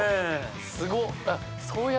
すごっ。